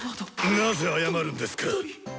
なぜ謝るんですか。